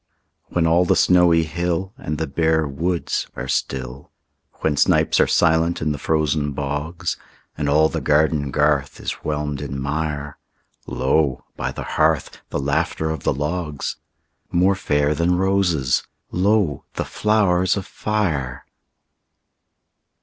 When all the snowy hill And the bare woods are still; When snipes are silent in the frozen bogs, And all the garden garth is whelmed in mire, Lo, by the hearth, the laughter of the logs— More fair than roses, lo, the flowers of fire!